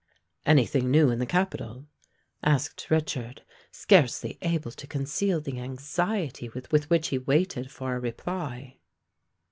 "Any thing new in the capital?" asked Richard, scarcely able to conceal the anxiety with which he waited for a reply.